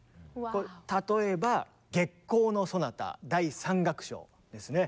例えば「月光」のソナタ第３楽章ですね。